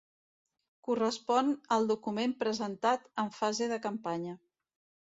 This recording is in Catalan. Correspon al document presentat en fase de campanya.